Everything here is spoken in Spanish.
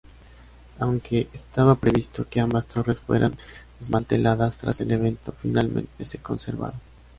Aunque estaba previsto que ambas torres fueran desmanteladas tras el evento, finalmente se conservaron.